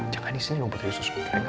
jangan disini dong putri usus goreng